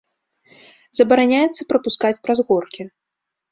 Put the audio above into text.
Забараняецца прапускаць праз горкі.